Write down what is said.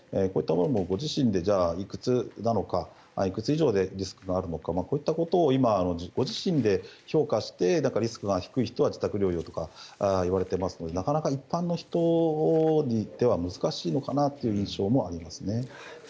こういったものもご自身で、いくつなのかいくつ以上でリスクがあるのかこういったことを今、ご自身で評価してリスクが低い人は自宅で療養とか言われていますがなかなか一般の人では難しいのかなという印象もありますね。